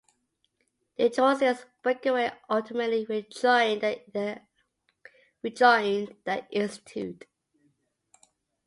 Detrosier's break-away ultimately rejoined the Institute.